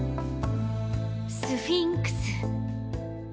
スフィンクス。